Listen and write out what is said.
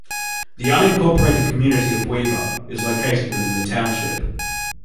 The unincorporated community of Weaver is located within the township.